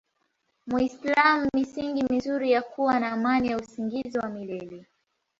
muislam misingi mizuri ya kua na amani ya usingizi wa milele